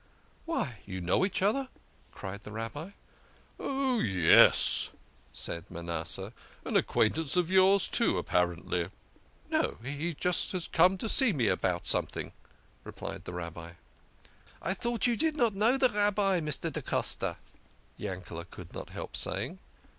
" Why, you know each other !" cried the Rabbi. " Oh, yes," said Manasseh, " an acquaintance of yours, too, apparently." " No, he is just come to see me about something," replied the Rabbi. " I thought you did not know the Rabbi, Mr. da Costa? " Yankele" could not help saying.